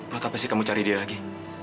buat apa sih kamu cari dia lagi